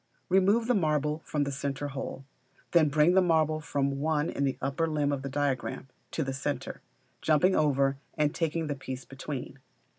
Remove the marble from the centre hole; then bring the marble from 1 in the upper limb of the diagram, to the centre, jumping over and taking the piece between.